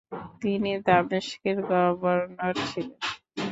তিনি দামেস্কের গভর্নর ছিলেন।